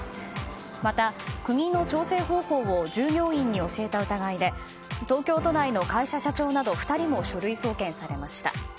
また、釘の調整方法を従業員に教えた疑いで東京都内の会社社長など２人も書類送検されました。